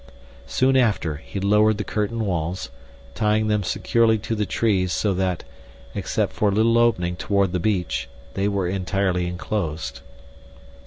Soon after, he lowered the curtain walls, tying them securely to the trees so that, except for a little opening toward the beach, they were entirely enclosed.